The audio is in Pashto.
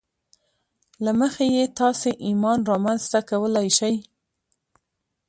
له مخې یې تاسې ایمان رامنځته کولای شئ